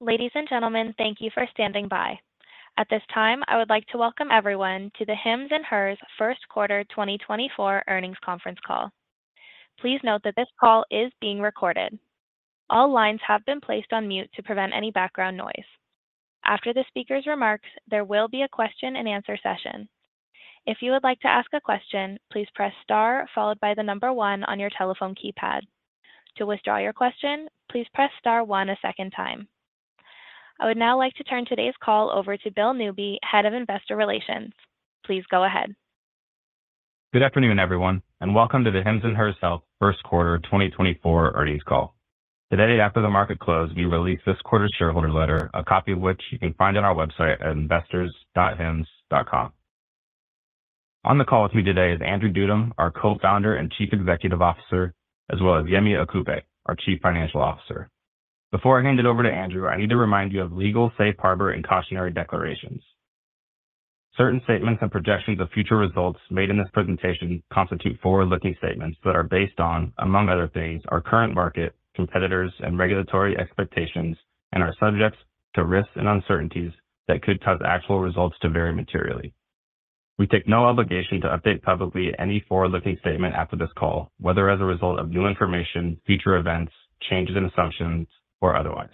Ladies and gentlemen, thank you for standing by. At this time, I would like to welcome everyone to the Hims & Hers Q1 2024 Earnings Conference Call. Please note that this call is being recorded. All lines have been placed on mute to prevent any background noise. After the speaker's remarks, there will be a question and answer session. If you would like to ask a question, please press star followed by the number one on your telephone keypad. To withdraw your question, please press star one a second time. I would now like to turn today's call over to Bill Newby, Head of Investor Relations. Please go ahead. Good afternoon, everyone, and welcome to the Hims & Hers Health Q1 2024 Earnings Call. Today, after the market closed, we released this quarter's shareholder letter, a copy of which you can find on our website at investors.hims.com. On the call with me today is Andrew Dudum, our Co-founder and Chief Executive Officer, as well as Yemi Okupe, our Chief Financial Officer. Before I hand it over to Andrew, I need to remind you of legal, safe harbor, and cautionary declarations. Certain statements and projections of future results made in this presentation constitute forward-looking statements that are based on, among other things, our current market, competitors, and regulatory expectations, and are subject to risks and uncertainties that could cause actual results to vary materially. We take no obligation to update publicly any forward-looking statement after this call, whether as a result of new information, future events, changes in assumptions, or otherwise.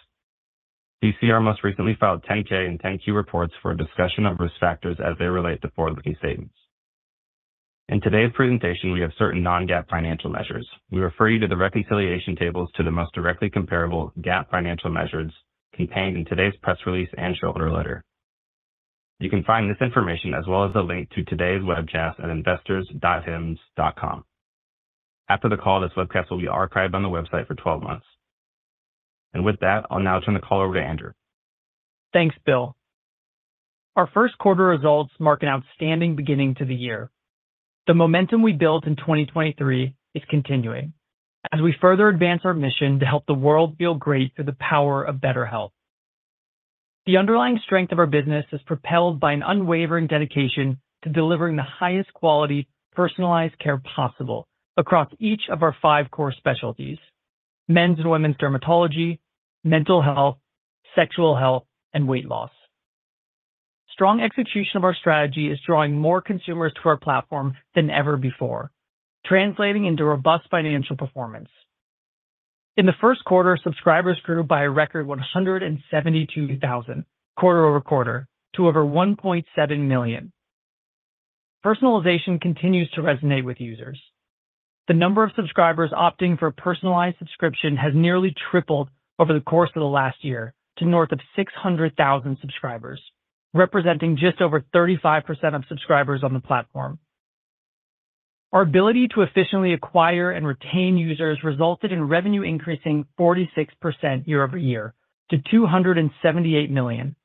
Please see our most recently filed 10-K and 10-Q reports for a discussion of risk factors as they relate to forward-looking statements. In today's presentation, we have certain non-GAAP financial measures. We refer you to the reconciliation tables to the most directly comparable GAAP financial measures contained in today's press release and shareholder letter. You can find this information as well as a link to today's webcast at investors.hims.com. After the call, this webcast will be archived on the website for 12 months. With that, I'll now turn the call over to Andrew. Thanks, Bill. Our Q1 results mark an outstanding beginning to the year. The momentum we built in 2023 is continuing as we further advance our mission to help the world feel great through the power of better health. The underlying strength of our business is propelled by an unwavering dedication to delivering the highest quality, personalized care possible across each of our five core specialties: men's and women's dermatology, mental health, sexual health, and weight loss. Strong execution of our strategy is drawing more consumers to our platform than ever before, translating into robust financial performance. In the first quarter, subscribers grew by a record 172,000 quarter-over-quarter to over 1.7 million. Personalization continues to resonate with users. The number of subscribers opting for a personalized subscription has nearly tripled over the course of the last year to north of 600,000 subscribers, representing just over 35% of subscribers on the platform. Our ability to efficiently acquire and retain users resulted in revenue increasing 46% year-over-year to $278 million,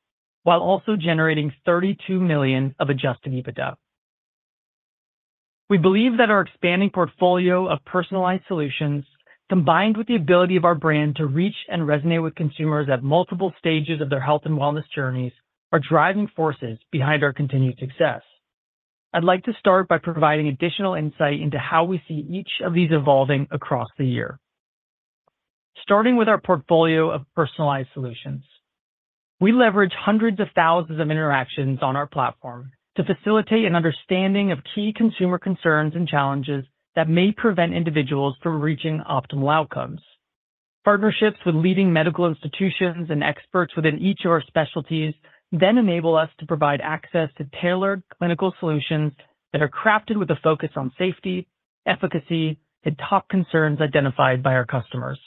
while also generating $32 million of adjusted EBITDA. We believe that our expanding portfolio of personalized solutions, combined with the ability of our brand to reach and resonate with consumers at multiple stages of their health and wellness journeys, are driving forces behind our continued success. I'd like to start by providing additional insight into how we see each of these evolving across the year. Starting with our portfolio of personalized solutions, we leverage hundreds of thousands of interactions on our platform to facilitate an understanding of key consumer concerns and challenges that may prevent individuals from reaching optimal outcomes. Partnerships with leading medical institutions and experts within each of our specialties then enable us to provide access to tailored clinical solutions that are crafted with a focus on safety, efficacy, and top concerns identified by our customers.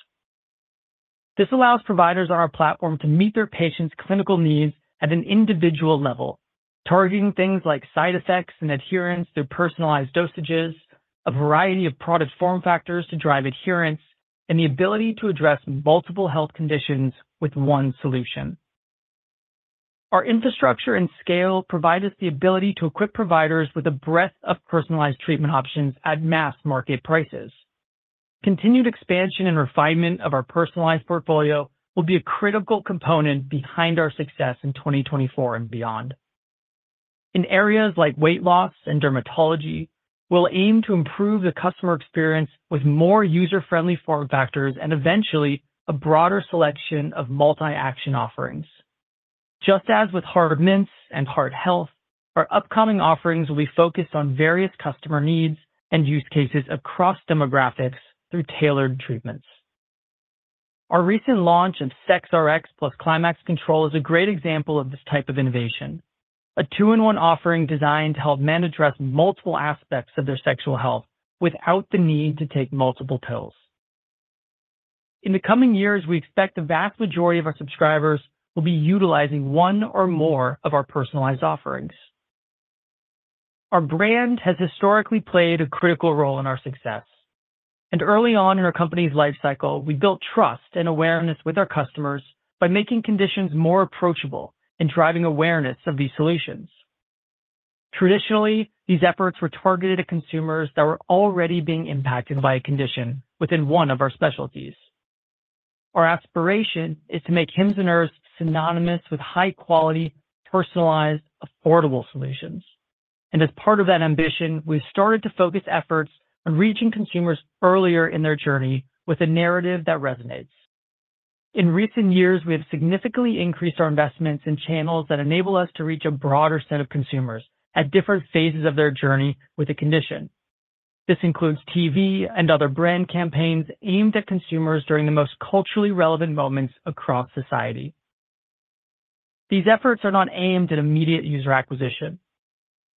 This allows providers on our platform to meet their patients' clinical needs at an individual level, targeting things like side effects and adherence through personalized dosages, a variety of product form factors to drive adherence, and the ability to address multiple health conditions with one solution. Our infrastructure and scale provide us the ability to equip providers with a breadth of personalized treatment options at mass market prices. Continued expansion and refinement of our personalized portfolio will be a critical component behind our success in 2024 and beyond. In areas like weight loss and dermatology, we'll aim to improve the customer experience with more user-friendly form factors and eventually a broader selection of multi-action offerings. Just as with Hard Mints and Heart Health, our upcoming offerings will be focused on various customer needs and use cases across demographics through tailored treatments. Our recent launch of Sex Rx + Climax Control is a great example of this type of innovation, a two-in-one offering designed to help men address multiple aspects of their sexual health without the need to take multiple pills. In the coming years, we expect the vast majority of our subscribers will be utilizing one or more of our personalized offerings. Our brand has historically played a critical role in our success, and early on in our company's life cycle, we built trust and awareness with our customers by making conditions more approachable and driving awareness of these solutions. Traditionally, these efforts were targeted to consumers that were already being impacted by a condition within one of our specialties. Our aspiration is to make Hims and Hers synonymous with high-quality, personalized, affordable solutions. As part of that ambition, we've started to focus efforts on reaching consumers earlier in their journey with a narrative that resonates. In recent years, we have significantly increased our investments in channels that enable us to reach a broader set of consumers at different phases of their journey with the condition. This includes TV and other brand campaigns aimed at consumers during the most culturally relevant moments across society. These efforts are not aimed at immediate user acquisition.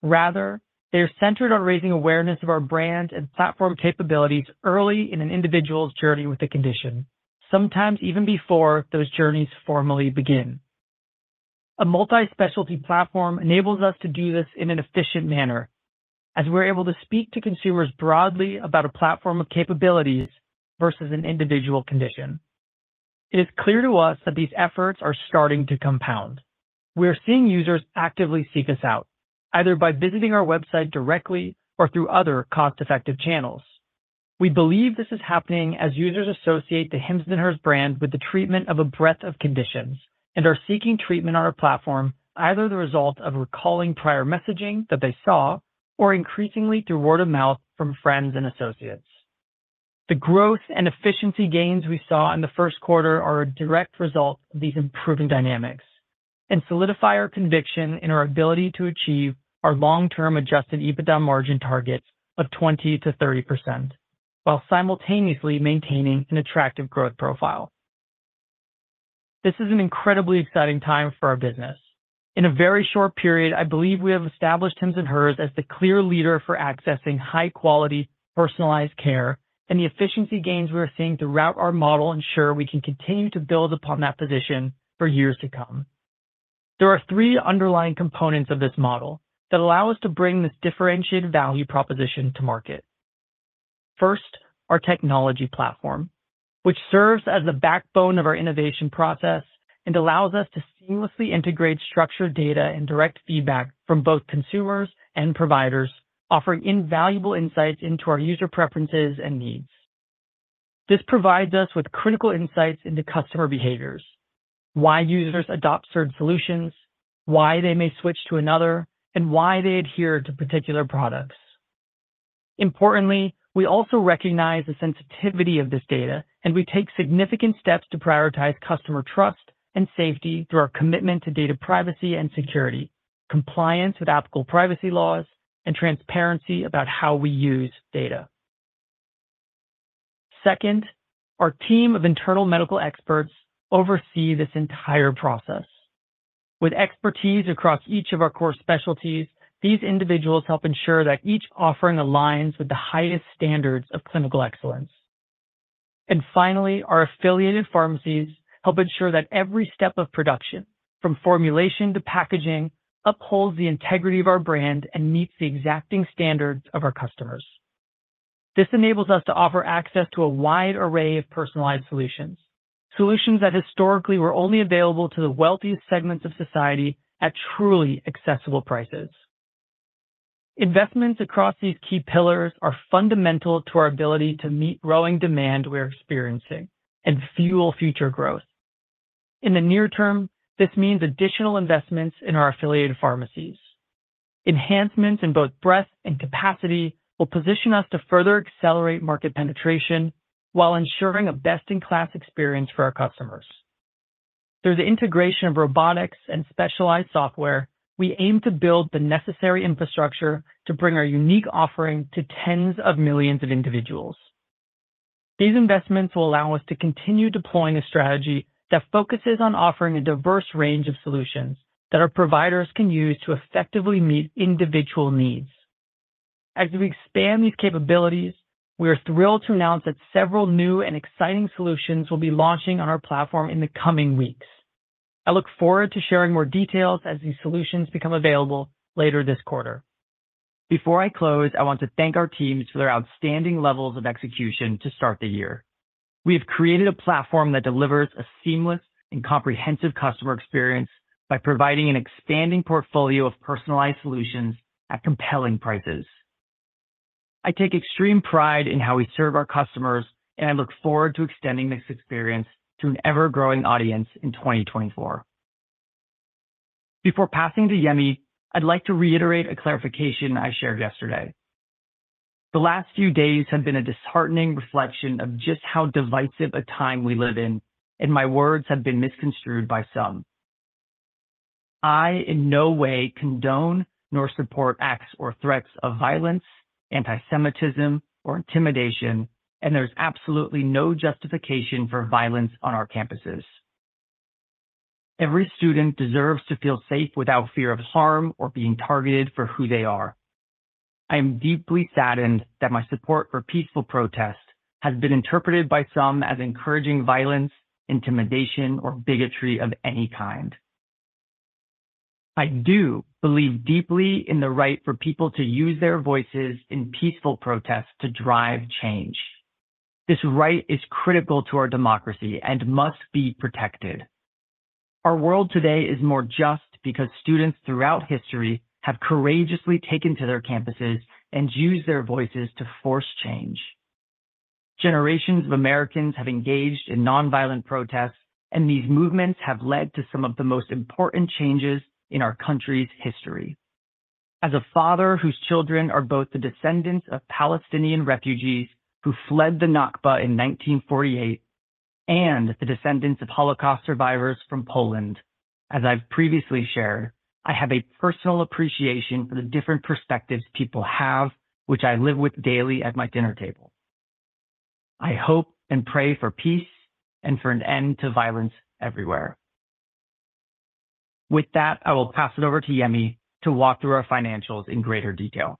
Rather, they are centered on raising awareness of our brand and platform capabilities early in an individual's journey with the condition, sometimes even before those journeys formally begin. A multi-specialty platform enables us to do this in an efficient manner, as we're able to speak to consumers broadly about a platform of capabilities versus an individual condition. It is clear to us that these efforts are starting to compound. We are seeing users actively seek us out, either by visiting our website directly or through other cost-effective channels. We believe this is happening as users associate the Hims and Hers brand with the treatment of a breadth of conditions and are seeking treatment on our platform, either the result of recalling prior messaging that they saw or increasingly through word of mouth from friends and associates. The growth and efficiency gains we saw in the first quarter are a direct result of these improving dynamics and solidify our conviction in our ability to achieve our long-term Adjusted EBITDA margin targets of 20%-30%, while simultaneously maintaining an attractive growth profile. This is an incredibly exciting time for our business. In a very short period, I believe we have established Hims and Hers as the clear leader for accessing high-quality, personalized care, and the efficiency gains we are seeing throughout our model ensure we can continue to build upon that position for years to come. There are three underlying components of this model that allow us to bring this differentiated value proposition to market. First, our technology platform, which serves as the backbone of our innovation process and allows us to seamlessly integrate structured data and direct feedback from both consumers and providers, offering invaluable insights into our user preferences and needs. This provides us with critical insights into customer behaviors, why users adopt certain solutions, why they may switch to another, and why they adhere to particular products. Importantly, we also recognize the sensitivity of this data, and we take significant steps to prioritize customer trust and safety through our commitment to data privacy and security, compliance with applicable privacy laws, and transparency about how we use data. Second, our team of internal medical experts oversee this entire process. With expertise across each of our core specialties, these individuals help ensure that each offering aligns with the highest standards of clinical excellence. Finally, our affiliated pharmacies help ensure that every step of production, from formulation to packaging, upholds the integrity of our brand and meets the exacting standards of our customers. This enables us to offer access to a wide array of personalized solutions, solutions that historically were only available to the wealthiest segments of society at truly accessible prices. Investments across these key pillars are fundamental to our ability to meet growing demand we are experiencing and fuel future growth. In the near term, this means additional investments in our affiliated pharmacies. Enhancements in both breadth and capacity will position us to further accelerate market penetration while ensuring a best-in-class experience for our customers. Through the integration of robotics and specialized software, we aim to build the necessary infrastructure to bring our unique offering to tens of millions of individuals. These investments will allow us to continue deploying a strategy that focuses on offering a diverse range of solutions that our providers can use to effectively meet individual needs. As we expand these capabilities, we are thrilled to announce that several new and exciting solutions will be launching on our platform in the coming weeks. I look forward to sharing more details as these solutions become available later this quarter. Before I close, I want to thank our teams for their outstanding levels of execution to start the year. We have created a platform that delivers a seamless and comprehensive customer experience by providing an expanding portfolio of personalized solutions at compelling prices. I take extreme pride in how we serve our customers, and I look forward to extending this experience to an ever-growing audience in 2024. Before passing to Yemi, I'd like to reiterate a clarification I shared yesterday. The last few days have been a disheartening reflection of just how divisive a time we live in, and my words have been misconstrued by some. I in no way condone nor support acts or threats of violence, antisemitism, or intimidation, and there's absolutely no justification for violence on our campuses. Every student deserves to feel safe without fear of harm or being targeted for who they are. I am deeply saddened that my support for peaceful protests has been interpreted by some as encouraging violence, intimidation, or bigotry of any kind. I do believe deeply in the right for people to use their voices in peaceful protests to drive change. This right is critical to our democracy and must be protected. Our world today is more just because students throughout history have courageously taken to their campuses and used their voices to force change. Generations of Americans have engaged in non-violent protests, and these movements have led to some of the most important changes in our country's history. As a father whose children are both the descendants of Palestinian refugees who fled the Nakba in 1948, and the descendants of Holocaust survivors from Poland, as I've previously shared, I have a personal appreciation for the different perspectives people have, which I live with daily at my dinner table. I hope and pray for peace and for an end to violence everywhere. With that, I will pass it over to Yemi to walk through our financials in greater detail.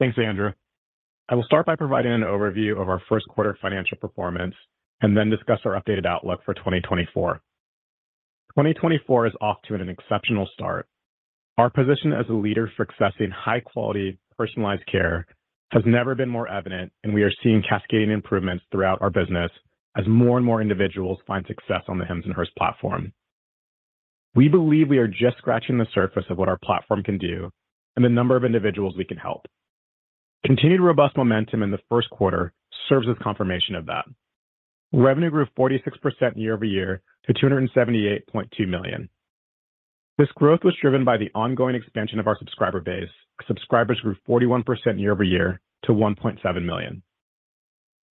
Thanks, Andrew. I will start by providing an overview of our Q1 financial performance and then discuss our updated outlook for 2024. 2024 is off to an exceptional start. Our position as a leader for accessing high-quality, personalized care has never been more evident, and we are seeing cascading improvements throughout our business as more and more individuals find success on the Hims and Hers platform. We believe we are just scratching the surface of what our platform can do and the number of individuals we can help. Continued robust momentum in the first quarter serves as confirmation of that. Revenue grew 46% year over year to $278.2 million. This growth was driven by the ongoing expansion of our subscriber base. Subscribers grew 41% year over year to 1.7 million.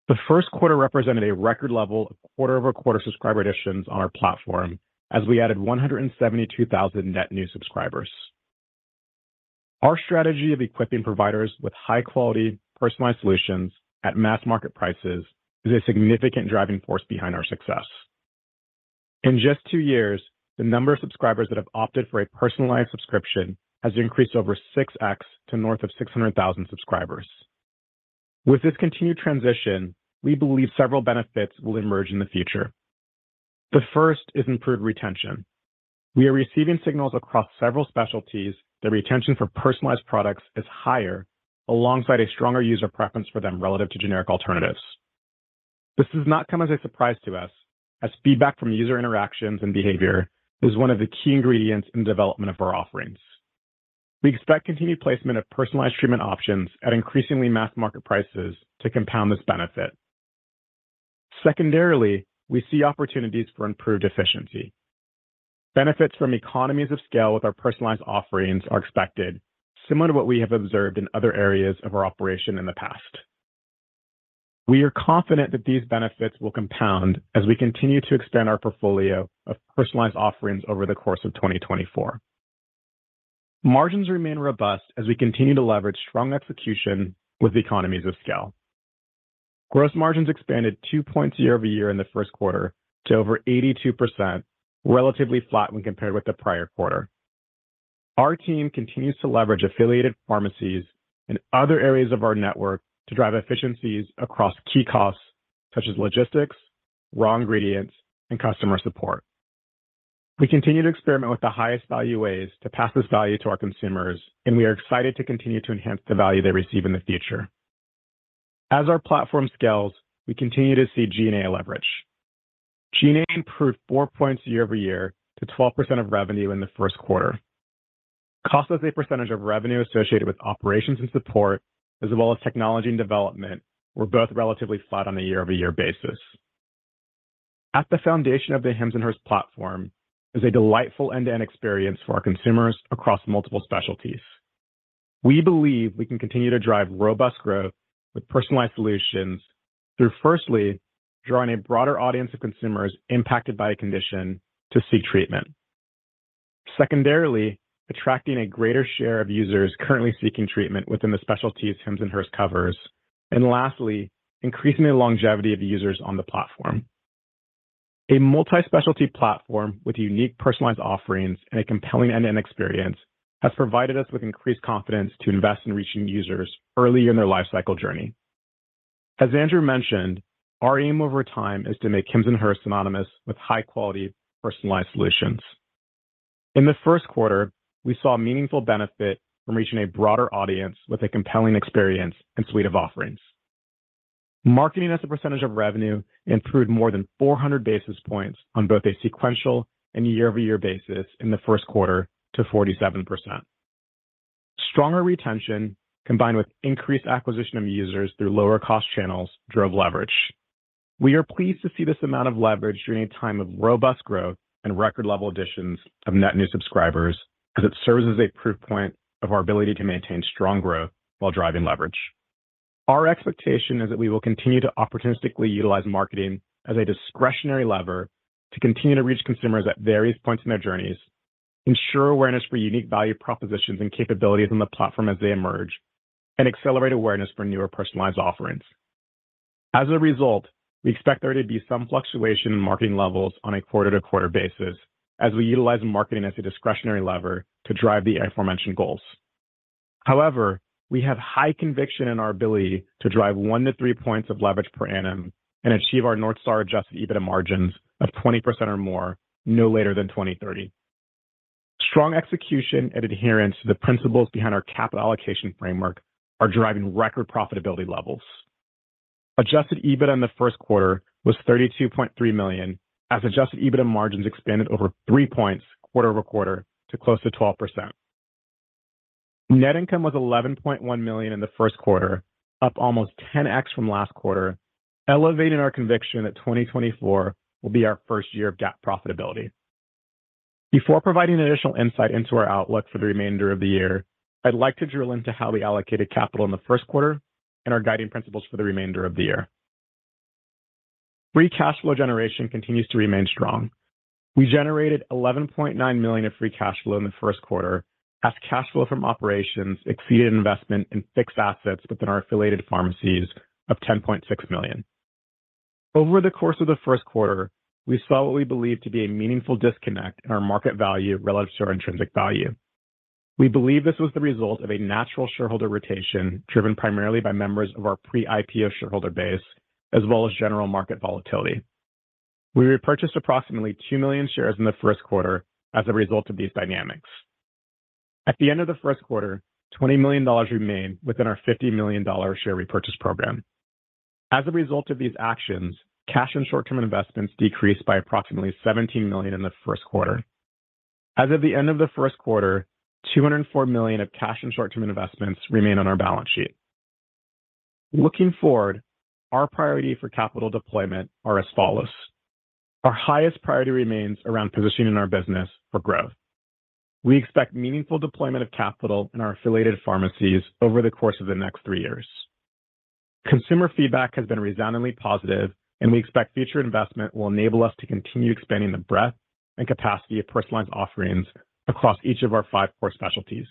The Q1 represented a record level of quarter-over-quarter subscriber additions on our platform as we added 172,000 net new subscribers. Our strategy of equipping providers with high-quality, personalized solutions at mass market prices is a significant driving force behind our success. In just two years, the number of subscribers that have opted for a personalized subscription has increased over 6x to north of 600,000 subscribers. With this continued transition, we believe several benefits will emerge in the future. The first is improved retention. We are receiving signals across several specialties that retention for personalized products is higher, alongside a stronger user preference for them relative to generic alternatives. This does not come as a surprise to us, as feedback from user interactions and behavior is one of the key ingredients in the development of our offerings. We expect continued placement of personalized treatment options at increasingly mass market prices to compound this benefit. Secondarily, we see opportunities for improved efficiency. Benefits from economies of scale with our personalized offerings are expected, similar to what we have observed in other areas of our operation in the past. We are confident that these benefits will compound as we continue to expand our portfolio of personalized offerings over the course of 2024. Margins remain robust as we continue to leverage strong execution with economies of scale. Gross margins expanded 2 points year-over-year in the Q1 to over 82%, relatively flat when compared with the prior quarter. Our team continues to leverage affiliated pharmacies and other areas of our network to drive efficiencies across key costs such as logistics, raw ingredients, and customer support. We continue to experiment with the highest value ways to pass this value to our consumers, and we are excited to continue to enhance the value they receive in the future. As our platform scales, we continue to see G&A leverage. G&A improved four points year-over-year to 12% of revenue in the Q1. Cost as a percentage of revenue associated with operations and support, as well as technology and development, were both relatively flat on a year-over-year basis. At the foundation of the Hims & Hers platform is a delightful end-to-end experience for our consumers across multiple specialties. We believe we can continue to drive robust growth with personalized solutions through, firstly, drawing a broader audience of consumers impacted by a condition to seek treatment. Secondarily, attracting a greater share of users currently seeking treatment within the specialties Hims & Hers covers. Lastly, increasing the longevity of users on the platform. A multi-specialty platform with unique personalized offerings and a compelling end-to-end experience has provided us with increased confidence to invest in reaching users early in their lifecycle journey. As Andrew mentioned, our aim over time is to make Hims and Hers synonymous with high-quality, personalized solutions. In the first quarter, we saw meaningful benefit from reaching a broader audience with a compelling experience and suite of offerings. Marketing as a percentage of revenue improved more than 400 basis points on both a sequential and year-over-year basis in the Q1 to 47%. We are pleased to see this amount of leverage during a time of robust growth and record level additions of net new subscribers, as it serves as a proof point of our ability to maintain strong growth while driving leverage. Our expectation is that we will continue to opportunistically utilize marketing as a discretionary lever to continue to reach consumers at various points in their journeys, ensure awareness for unique value propositions and capabilities on the platform as they emerge, and accelerate awareness for newer personalized offerings. As a result, we expect there to be some fluctuation in marketing levels on a quarter-to-quarter basis as we utilize marketing as a discretionary lever to drive the aforementioned goals. However, we have high conviction in our ability to drive 1-3 points of leverage per annum and achieve our North Star Adjusted EBITDA margins of 20% or more no later than 2030. Strong execution and adherence to the principles behind our capital allocation framework are driving record profitability levels. Adjusted EBITDA in the Q1 was $32.3 million, as Adjusted EBITDA margins expanded over three points quarter-over-quarter to close to 12%. Net income was $11.1 million in the first quarter, up almost 10x from last quarter, elevating our conviction that 2024 will be our first year of GAAP profitability. Before providing additional insight into our outlook for the remainder of the year, I'd like to drill into how we allocated capital in the first quarter and our guiding principles for the remainder of the year. Free cash flow generation continues to remain strong. We generated $11.9 million of free cash flow in the Q1, as cash flow from operations exceeded investment in fixed assets within our affiliated pharmacies of $10.6 million. Over the course of the Q1, we saw what we believe to be a meaningful disconnect in our market value relative to our intrinsic value. We believe this was the result of a natural shareholder rotation, driven primarily by members of our pre-IPO shareholder base, as well as general market volatility. We repurchased approximately two million shares in the first quarter as a result of these dynamics. At the end of the Q1, $20 million remained within our $50 million share repurchase program. As a result of these actions, cash and short-term investments decreased by approximately $17 million in the Q1. As of the end of the Q1, $204 million of cash and short-term investments remain on our balance sheet. Looking forward, our priority for capital deployment are as follows: Our highest priority remains around positioning our business for growth. We expect meaningful deployment of capital in our affiliated pharmacies over the course of the next three years. Consumer feedback has been resoundingly positive, and we expect future investment will enable us to continue expanding the breadth and capacity of personalized offerings across each of our five core specialties.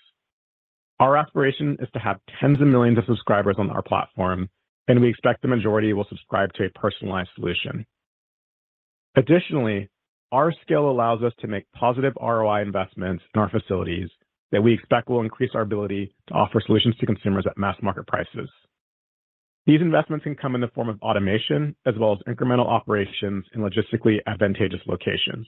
Our aspiration is to have tens of millions of subscribers on our platform, and we expect the majority will subscribe to a personalized solution. Additionally, our scale allows us to make positive ROI investments in our facilities that we expect will increase our ability to offer solutions to consumers at mass market prices. These investments can come in the form of automation as well as incremental operations in logistically advantageous locations.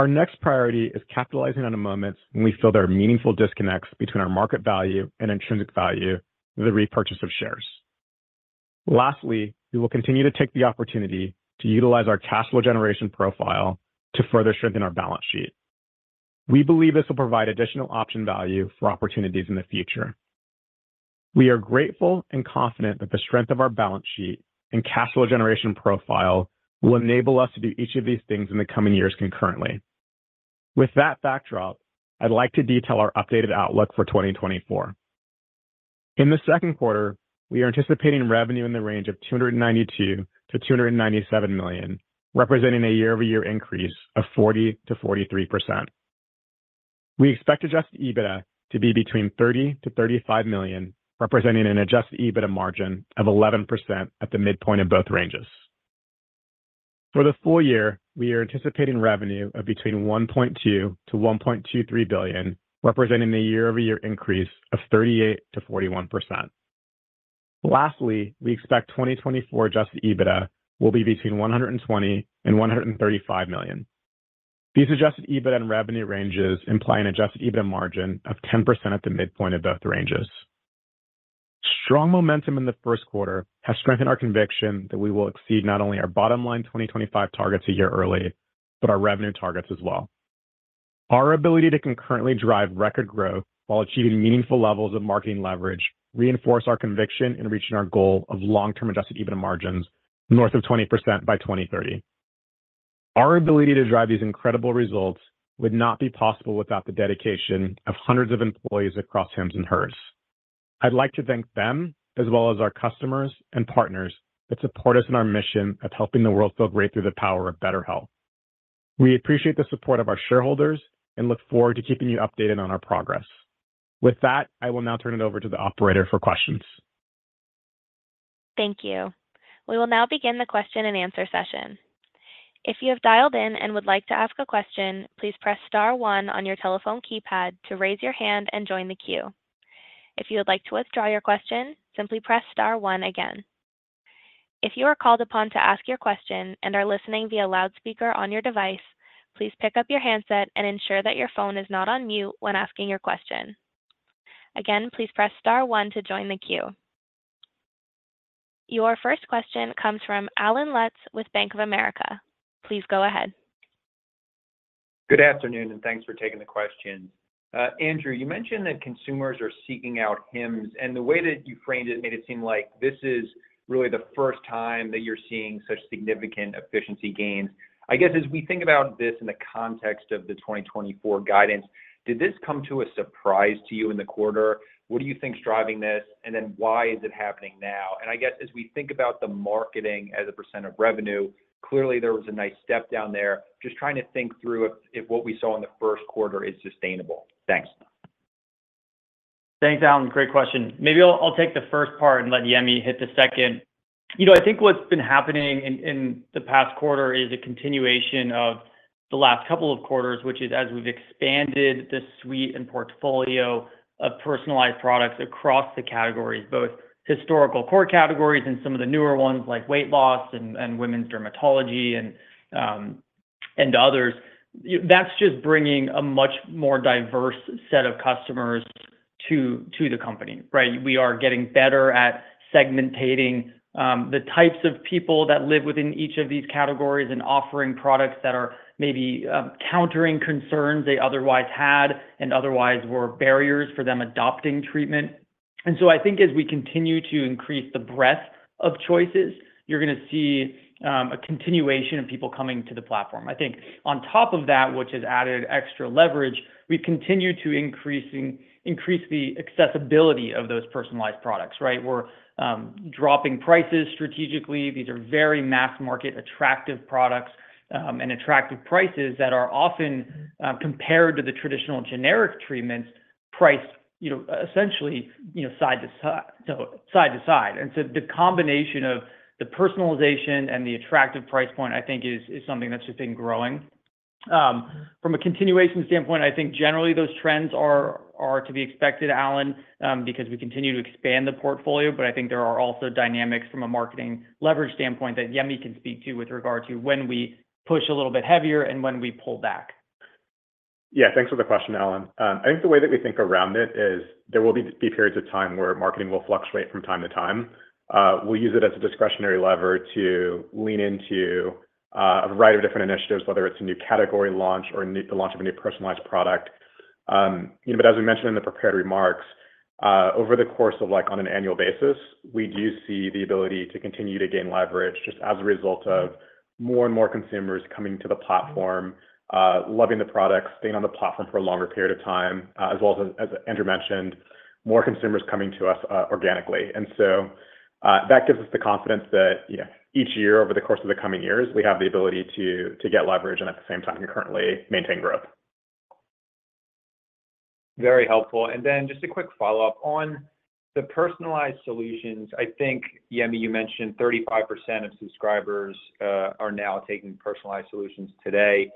Our next priority is capitalizing on the moments when we feel there are meaningful disconnects between our market value and intrinsic value, the repurchase of shares. Lastly, we will continue to take the opportunity to utilize our cash flow generation profile to further strengthen our balance sheet. We believe this will provide additional option value for opportunities in the future. We are grateful and confident that the strength of our balance sheet and cash flow generation profile will enable us to do each of these things in the coming years concurrently. With that backdrop, I'd like to detail our updated outlook for 2024. In the Q2, we are anticipating revenue in the range of $292 million-$297 million, representing a year-over-year increase of 40%-43%. We expect adjusted EBITDA to be between $30 million-$35 million, representing an adjusted EBITDA margin of 11% at the midpoint of both ranges. For the full year, we are anticipating revenue of between $1.2 billion-$1.23 billion, representing a year-over-year increase of 38%-41%. Lastly, we expect 2024 adjusted EBITDA will be between $120 million-$135 million. These adjusted EBITDA and revenue ranges imply an adjusted EBITDA margin of 10% at the midpoint of both ranges. Strong momentum in the Q1 has strengthened our conviction that we will exceed not only our bottom line 2025 targets a year early, but our revenue targets as well. Our ability to concurrently drive record growth while achieving meaningful levels of marketing leverage reinforce our conviction in reaching our goal of long-term Adjusted EBITDA margins north of 20% by 2030. Our ability to drive these incredible results would not be possible without the dedication of hundreds of employees across Hims and Hers. I'd like to thank them, as well as our customers and partners, that support us in our mission of helping the world feel great through the power of better health. We appreciate the support of our shareholders and look forward to keeping you updated on our progress. With that, I will now turn it over to the operator for questions. Thank you. We will now begin the question and answer session. If you have dialed in and would like to ask a question, please press star one on your telephone keypad to raise your hand and join the queue. If you would like to withdraw your question, simply press star one again. If you are called upon to ask your question and are listening via loudspeaker on your device, please pick up your handset and ensure that your phone is not on mute when asking your question. Again, please press star one to join the queue. Your first question comes from Allen Lutz with Bank of America. Please go ahead. Good afternoon, and thanks for taking the questions. Andrew, you mentioned that consumers are seeking out Hims, and the way that you framed it made it seem like this is really the first time that you're seeing such significant efficiency gains. I guess, as we think about this in the context of the 2024 guidance, did this come to a surprise to you in the quarter? What do you think is driving this, and then why is it happening now? And I guess as we think about the marketing as a percent of revenue, clearly there was a nice step down there. Just trying to think through if, if what we saw in the Q1 is sustainable. Thanks. Thanks, Allen. Great question. Maybe I'll take the first part and let Yemi hit the second. You know, I think what's been happening in the past quarter is a continuation of the last couple of quarters, which is as we've expanded the suite and portfolio of personalized products across the categories, both historical core categories and some of the newer ones, like weight loss and women's dermatology and others. That's just bringing a much more diverse set of customers to the company, right? We are getting better at segmenting the types of people that live within each of these categories and offering products that are maybe countering concerns they otherwise had and otherwise were barriers for them adopting treatment. And so I think as we continue to increase the breadth of choices, you're gonna see a continuation of people coming to the platform. I think on top of that, which has added extra leverage, we've continued to increase the accessibility of those personalized products, right? We're dropping prices strategically. These are very mass market, attractive products and attractive prices that are often compared to the traditional generic treatments priced, you know, essentially, you know, side to side, so side to side. And so the combination of the personalization and the attractive price point, I think, is something that's just been growing. From a continuation standpoint, I think generally those trends are to be expected, Allen, because we continue to expand the portfolio, but I think there are also dynamics from a marketing leverage standpoint that Yemi can speak to with regard to when we push a little bit heavier and when we pull back. Yeah, thanks for the question, Allen. I think the way that we think around it is there will be periods of time where marketing will fluctuate from time to time. We'll use it as a discretionary lever to lean into, a variety of different initiatives, whether it's a new category launch or the launch of a new personalized product. You know, but as we mentioned in the prepared remarks, over the course of, like, on an annual basis, we do see the ability to continue to gain leverage just as a result of more and more consumers coming to the platform, loving the products, staying on the platform for a longer period of time, as well as, as Andrew mentioned, more consumers coming to us, organically. And so, that gives us the confidence that, you know, each year, over the course of the coming years, we have the ability to get leverage and at the same time, currently maintain growth. Very helpful. And then just a quick follow-up. On the personalized solutions, I think, Yemi, you mentioned 35% of subscribers are now taking personalized solutions today.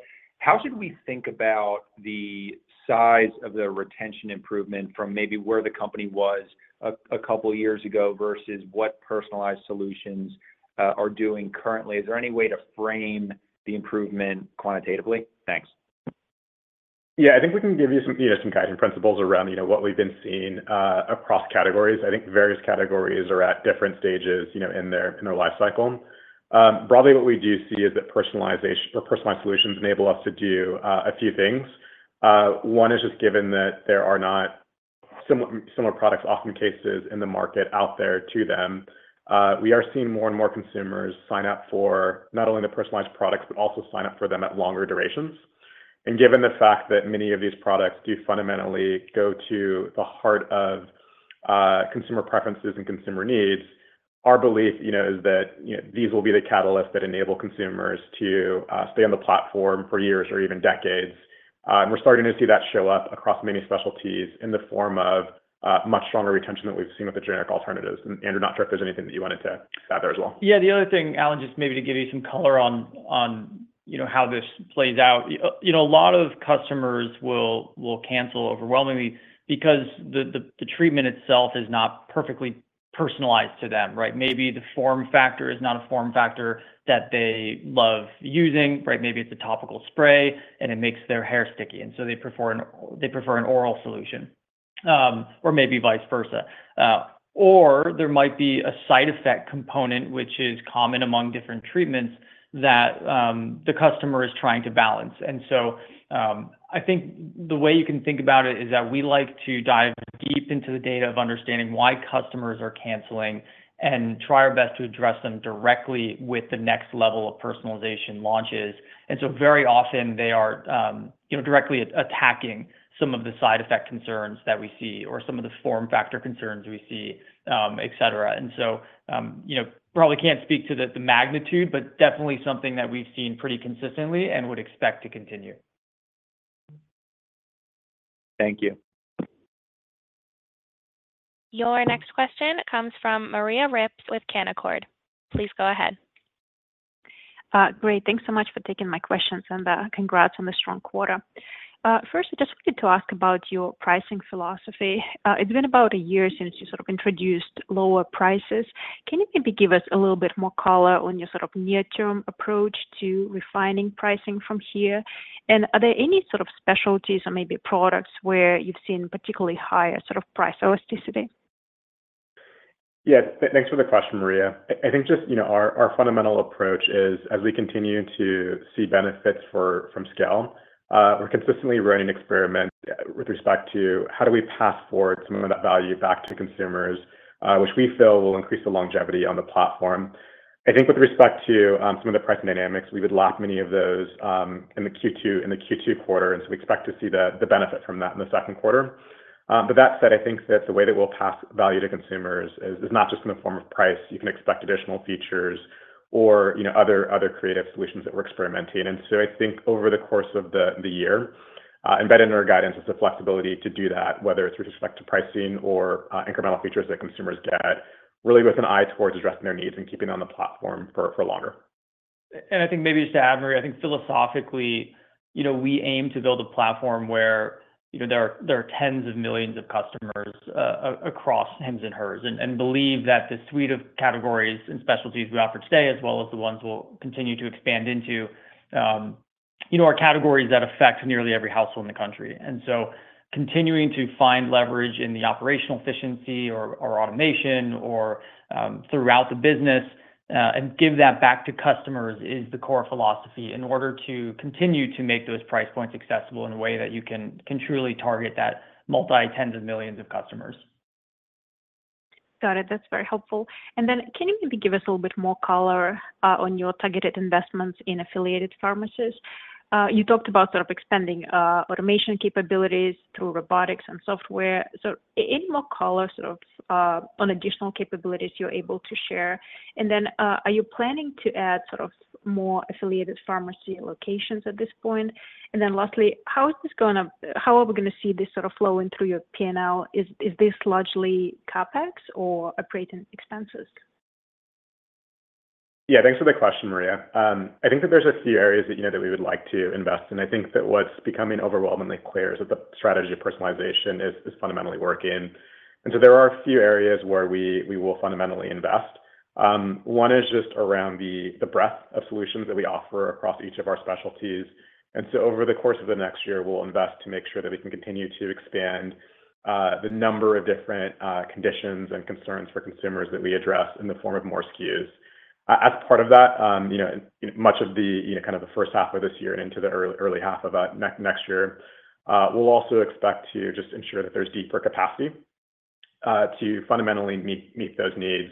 How should we think about the size of the retention improvement from maybe where the company was a couple of years ago versus what personalized solutions are doing currently? Is there any way to frame the improvement quantitatively? Thanks. Yeah, I think we can give you some, you know, some guiding principles around, you know, what we've been seeing, across categories. I think various categories are at different stages, you know, in their, in their life cycle. Broadly, what we do see is that personalization or personalized solutions enable us to do, a few things. One is just given that there are not similar, similar products, often cases in the market out there to them. We are seeing more and more consumers sign up for not only the personalized products, but also sign up for them at longer durations. Given the fact that many of these products do fundamentally go to the heart of consumer preferences and consumer needs, our belief, you know, is that, you know, these will be the catalyst that enable consumers to stay on the platform for years or even decades. We're starting to see that show up across many specialties in the form of much stronger retention than we've seen with the generic alternatives. Andrew, not sure if there's anything that you wanted to add there as well. Yeah, the other thing, Allan, just maybe to give you some color on you know, how this plays out. You know, a lot of customers will cancel overwhelmingly because the treatment itself is not perfectly personalized to them, right? Maybe the form factor is not a form factor that they love using, right? Maybe it's a topical spray and it makes their hair sticky, and so they prefer an oral solution, or maybe vice versa. Or there might be a side effect component, which is common among different treatments, that the customer is trying to balance. And so, I think the way you can think about it is that we like to dive deep into the data of understanding why customers are canceling and try our best to address them directly with the next level of personalization launches. And so very often they are, you know, directly attacking some of the side effect concerns that we see or some of the form factor concerns we see, et cetera. And so, you know, probably can't speak to the magnitude, but definitely something that we've seen pretty consistently and would expect to continue. Thank you. Your next question comes from Maria Ripps with Canaccord. Please go ahead. Great. Thanks so much for taking my question, and, congrats on the strong quarter. First, I just wanted to ask about your pricing philosophy. It's been about a year since you sort of introduced lower prices. Can you maybe give us a little bit more color on your sort of near-term approach to refining pricing from here? And are there any sort of specialties or maybe products where you've seen particularly higher sort of price elasticity? Yeah. Thanks for the question, Maria. I think just, you know, our fundamental approach is, as we continue to see benefits from scale, we're consistently running experiments with respect to how do we pass forward some of that value back to consumers, which we feel will increase the longevity on the platform. I think with respect to some of the price dynamics, we would lock many of those in the Q2 quarter, and so we expect to see the benefit from that in the Q2. But that said, I think that the way that we'll pass value to consumers is not just in the form of price. You can expect additional features or, you know, other creative solutions that we're experimenting. And so I think over the course of the year, embedded in our guidance is the flexibility to do that, whether it's with respect to pricing or incremental features that consumers get, really with an eye towards addressing their needs and keeping on the platform for longer. I think maybe just to add, Maria, I think philosophically, you know, we aim to build a platform where, you know, there are tens of millions of customers across Hims and Hers, and believe that the suite of categories and specialties we offer today, as well as the ones we'll continue to expand into, you know, our categories that affect nearly every household in the country. So continuing to find leverage in the operational efficiency or automation or throughout the business, and give that back to customers is the core philosophy in order to continue to make those price points accessible in a way that you can truly target that multi tens of millions of customers. Got it. That's very helpful. And then can you maybe give us a little bit more color on your targeted investments in affiliated pharmacies? You talked about sort of expanding automation capabilities through robotics and software. So any more color sort of on additional capabilities you're able to share? And then, are you planning to add sort of more affiliated pharmacy locations at this point? And then lastly, how is this gonna - how are we gonna see this sort of flowing through your P&L? Is this largely CapEx or operating expenses? Yeah, thanks for the question, Maria. I think that there's a few areas that, you know, that we would like to invest in. I think that what's becoming overwhelmingly clear is that the strategy of personalization is, is fundamentally working. And so there are a few areas where we, we will fundamentally invest. One is just around the, the breadth of solutions that we offer across each of our specialties. And so over the course of the next year, we'll invest to make sure that we can continue to expand the number of different conditions and concerns for consumers that we address in the form of more SKUs. As part of that, you know, much of the, you know, kind of the first half of this year into the early half of next year, we'll also expect to just ensure that there's deeper capacity to fundamentally meet those needs.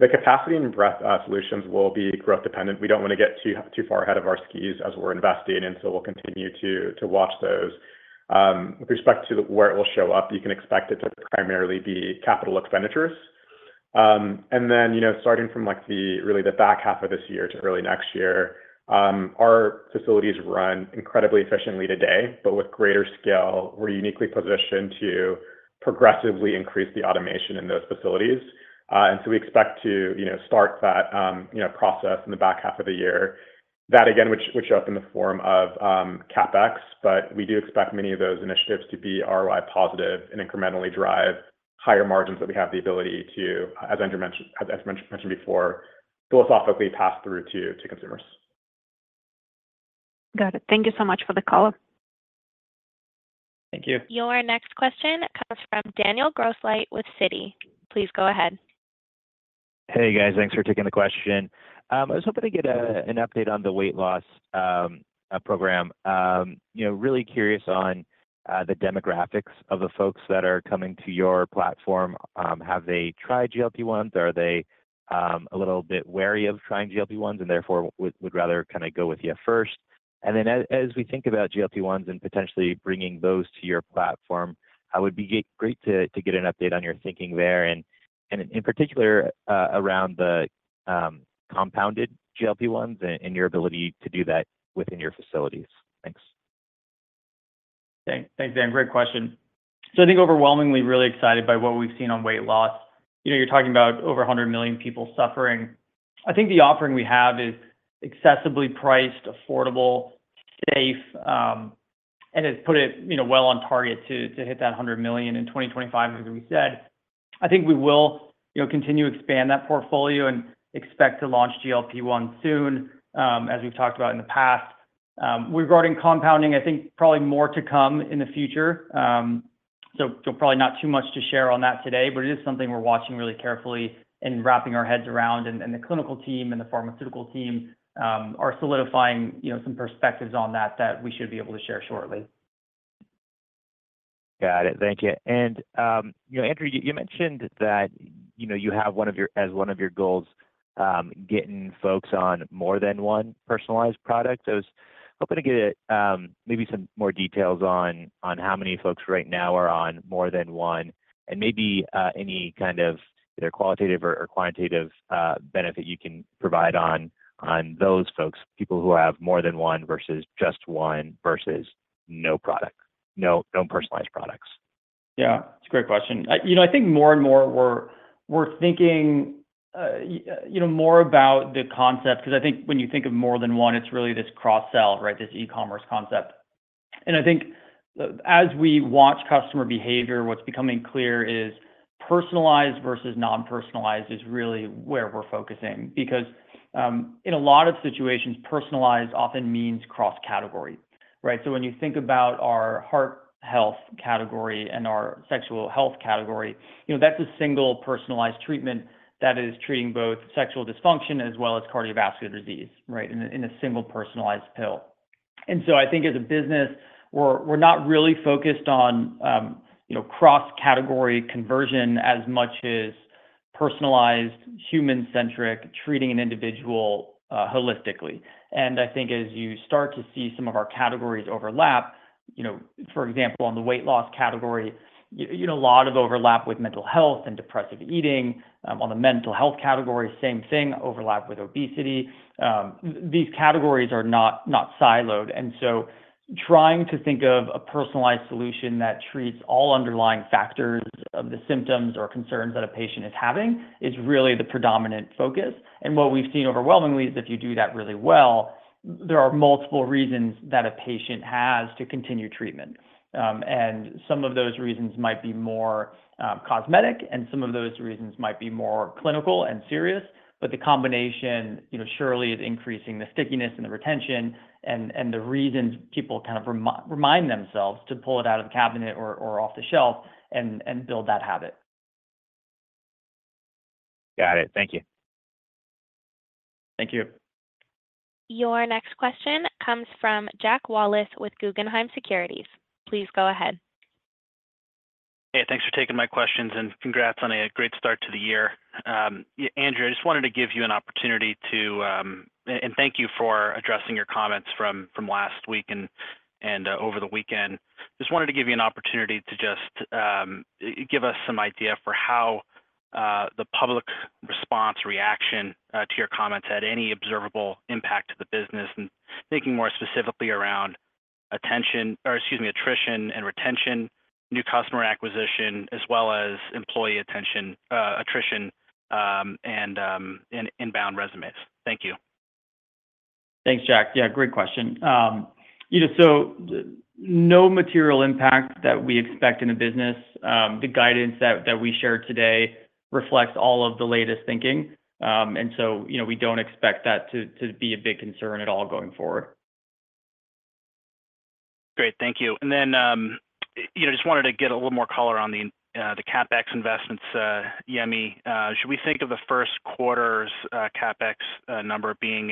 The capacity and breadth solutions will be growth dependent. We don't wanna get too far ahead of our SKUs as we're investing in, and so we'll continue to watch those. With respect to where it will show up, you can expect it to primarily be capital expenditures. And then, you know, starting from like the really the back half of this year to early next year, our facilities run incredibly efficiently today, but with greater scale, we're uniquely positioned to progressively increase the automation in those facilities. We expect to, you know, start that, you know, process in the back half of the year. That again, which show up in the form of CapEx, but we do expect many of those initiatives to be ROI positive and incrementally drive higher margins, that we have the ability to, as Andrew mentioned, as mentioned before, philosophically pass through to consumers. Got it. Thank you so much for the color. Thank you. Your next question comes from Daniel Grosslight with Citi. Please go ahead. Hey, guys. Thanks for taking the question. I was hoping to get an update on the weight loss program. You know, really curious on the demographics of the folks that are coming to your platform. Have they tried GLP-1, or are they a little bit wary of trying GLP-1, and therefore would rather kinda go with you first? And then as we think about GLP-1 and potentially bringing those to your platform, how would be great to get an update on your thinking there and in particular around the compounded GLP-1 and your ability to do that within your facilities. Thanks. Thanks, Dan. Great question. So I think overwhelmingly really excited by what we've seen on weight loss. You know, you're talking about over 100 million people suffering. I think the offering we have is accessibly priced, affordable, safe, and has put it, you know, well on target to hit that 100 million in 2025, as we said. I think we will, you know, continue to expand that portfolio and expect to launch GLP-1 soon, as we've talked about in the past. Regarding compounding, I think probably more to come in the future. So probably not too much to share on that today, but it is something we're watching really carefully and wrapping our heads around, and the clinical team and the pharmaceutical team are solidifying, you know, some perspectives on that that we should be able to share shortly. Got it. Thank you. And, you know, Andrew, you mentioned that, you know, you have one of your, as one of your goals, getting folks on more than one personalized product. I was hoping to get, maybe some more details on how many folks right now are on more than one, and maybe any kind of either qualitative or quantitative benefit you can provide on those folks, people who have more than one versus just one versus no product, no personalized products. Yeah, it's a great question. You know, I think more and more we're, we're thinking, you know, more about the concept, 'cause I think when you think of more than one, it's really this cross-sell, right? This e-commerce concept. And I think as we watch customer behavior, what's becoming clear is personalized versus non-personalized is really where we're focusing. Because, in a lot of situations, personalized often means cross-category, right? So when you think about our heart health category and our sexual health category, you know, that's a single personalized treatment that is treating both sexual dysfunction as well as cardiovascular disease, right, in a single personalized pill. And so I think as a business, we're, we're not really focused on, you know, cross-category conversion as much as personalized, human-centric, treating an individual, holistically. And I think as you start to see some of our categories overlap, you know, for example, on the weight loss category, you know, a lot of overlap with mental health and depressive eating. On the mental health category, same thing, overlap with obesity. These categories are not, not siloed, and so trying to think of a personalized solution that treats all underlying factors of the symptoms or concerns that a patient is having, is really the predominant focus. And what we've seen overwhelmingly is if you do that really well. There are multiple reasons that a patient has to continue treatment. And some of those reasons might be more cosmetic, and some of those reasons might be more clinical and serious, but the combination, you know, surely is increasing the stickiness and the retention and the reasons people kind of remind themselves to pull it out of the cabinet or off the shelf and build that habit. Got it. Thank you. Thank you. Your next question comes from Jack Wallace with Guggenheim Securities. Please go ahead. Hey, thanks for taking my questions, and congrats on a great start to the year. Andrew, I just wanted to give you an opportunity to, and thank you for addressing your comments from last week and over the weekend. Just wanted to give you an opportunity to just give us some idea for how the public response, reaction to your comments had any observable impact to the business, and thinking more specifically around attention, or excuse me, attrition and retention, new customer acquisition, as well as employee retention—attrition, and inbound resumes. Thank you. Thanks, Jack. Yeah, great question. You know, so no material impact that we expect in the business. The guidance that we shared today reflects all of the latest thinking. And so, you know, we don't expect that to be a big concern at all going forward. Great. Thank you. And then, you know, just wanted to get a little more color on the CapEx investments, Yemi. Should we think of the Q1 CapEx number being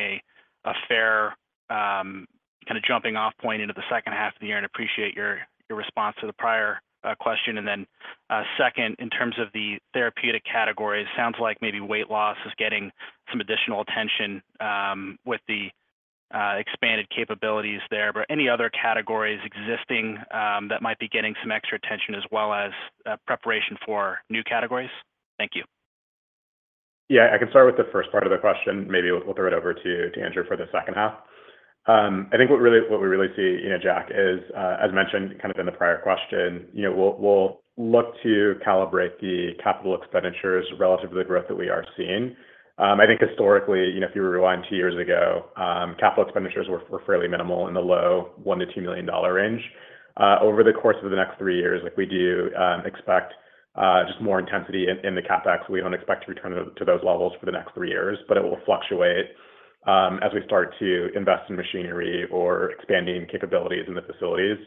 a fair kind of jumping off point into the second half of the year? And appreciate your response to the prior question. And then, second, in terms of the therapeutic categories, sounds like maybe weight loss is getting some additional attention with the expanded capabilities there. But any other categories existing that might be getting some extra attention, as well as preparation for new categories? Thank you. Yeah, I can start with the first part of the question. Maybe we'll, we'll throw it over to, to Andrew for the H2. I think what really, what we really see, you know, Jack, is, as mentioned, kind of in the prior question, you know, we'll, we'll look to calibrate the capital expenditures relative to the growth that we are seeing. I think historically, you know, if you rewind two years ago, capital expenditures were, were fairly minimal in the low $1 million-$2 million range. Over the course of the next three years, like, we do, expect, just more intensity in, in the CapEx. We don't expect to return to, to those levels for the next three years, but it will fluctuate, as we start to invest in machinery or expanding capabilities in the facilities.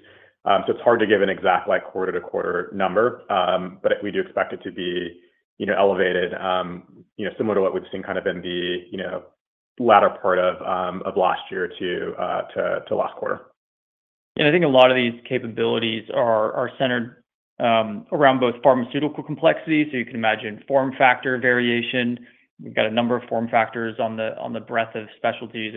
So it's hard to give an exact, like, quarter-to-quarter number, but we do expect it to be, you know, elevated, you know, similar to what we've seen kind of in the latter part of last year to last quarter. And I think a lot of these capabilities are centered around both pharmaceutical complexity, so you can imagine form factor variation. We've got a number of form factors on the breadth of specialties